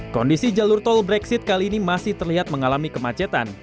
kondisi jalur tol brexit kali ini masih terlihat mengalami kemacetan